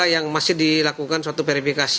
yang masih dilakukan suatu verifikasi